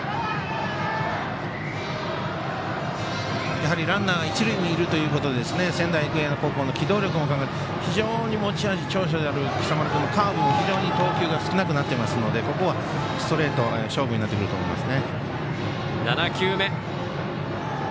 やはりランナーが一塁にいるということで仙台育英高校の機動力非常に持ち味、長所である今朝丸君のカーブも非常に投球が少なくなっていますのでここは、ストレート勝負になってくると思います。